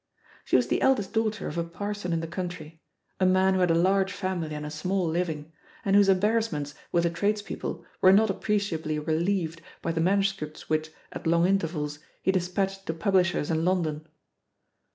She was the eldest daughter of a parson in the country — ^a man who had a large family and a small living, and whose embarrassments with the tradespeople were not appreciably relieved by SEHE POSITION OP PEGGY HARPER 16S the manuscripts which» at long intervals, he dis patched to publishers in London.